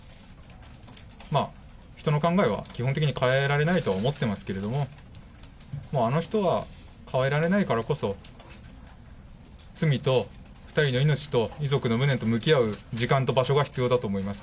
人の考えは基本的には変えられないとは思ってますけど、あの人は変えられないからこそ、罪と２人の命と遺族の無念と向き合う時間と場所が必要だと思います。